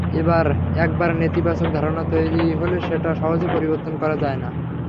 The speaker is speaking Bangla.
একবার নেতিবাচক ধারণা তৈরি হলে সেটা সহজে পরিবর্তন করা যায় না।